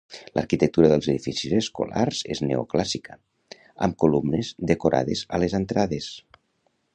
L'arquitectura dels edificis escolars és neoclàssica, amb columnes decorades a les entrades.